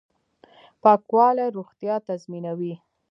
پاکوالی روغتیا تضمینوي